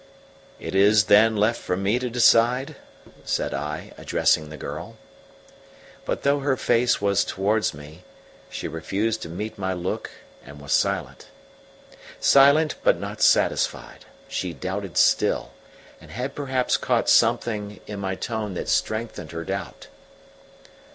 "Is it, then, left for me to decide?" said I, addressing the girl. But though her face was towards me, she refused to meet my look and was silent. Silent, but not satisfied: she doubted still, and had perhaps caught something in my tone that strengthened her doubt.